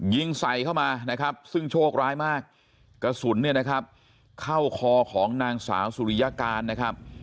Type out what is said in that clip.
ยิงใส่เข้ามานะครับซึ่งโชคร้ายมากกระสุนเนี่ยนะครับเข้าคอของนางสาวสุริยการนะครับ